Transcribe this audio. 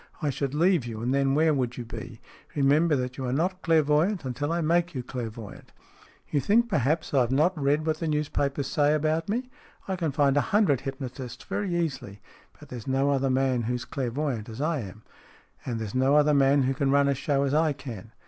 I should leave you, and then where would you be ? Remember that you are not clairvoyant until I make you clairvoyant." " You think, perhaps, I have not read what the newspapers say about me ? I can find a hundred hypnotists very easily. But there is no other man who's clairvoyant as I am." " And there is no other man who can run a show as I can.